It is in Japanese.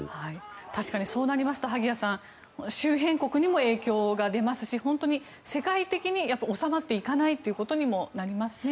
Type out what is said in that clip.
確かにそうなりますと萩谷さん、周辺国にも影響が出ますし本当に世界的に収まっていかないということにもなりますね。